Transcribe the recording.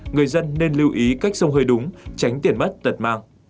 người dân nên lưu ý cách sông hơi đúng tránh tiền mất tật mang